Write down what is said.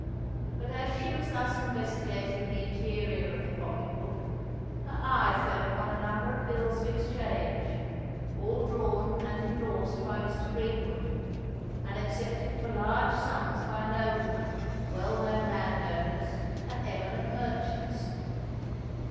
But as she was thus investigating the interior of the pocket book, her eye fell upon a number of bills of exchange, all drawn and endorsed by Mr. Greenwood, and accepted for large sums by noblemen, well known landowners, and eminent merchants.